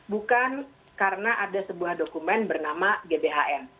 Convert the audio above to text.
bukan karena ada sebuah dokumen bernama gbhn